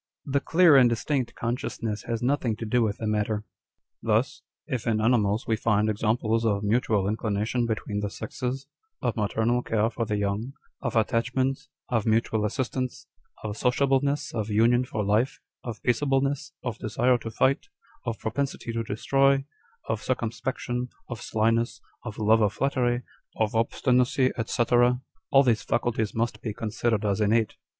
â€" [The clear and distinct consciousness has nothing to do with the matter.] â€" " Thus, if in animals we find examples of mutual inclina tion between the sexes, of maternal care for the young, of attachment, of mutual assistance, of sociableness, of union for life, of peaceableness, of desire to fight, of propensity to destroy, of circumspection, of slyness, of love of flattery, of obstinacy, &c., all these faculties must be considered as innate."